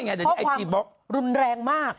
เพราะความรุนแรงมาก